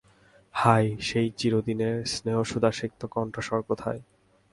হায়, সেই চিরদিনের স্নেহসুধাসিক্ত কণ্ঠস্বর কোথায়।